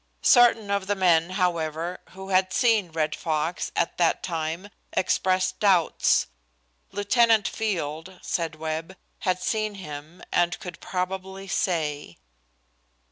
Certain of the men, however, who had seen Red Fox at that time expressed doubts. Lieutenant Field, said Webb, had seen him, and could probably say.